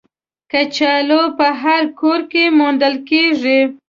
کچالو په هر کور کې موندل کېږي